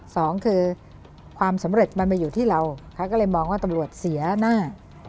สองคือความสำเร็จมันมาอยู่ที่เราเขาก็เลยมองว่าตำรวจเสียหน้า